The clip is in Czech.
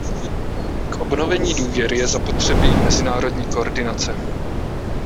K obnovení důvěry je zapotřebí mezinárodní koordinace.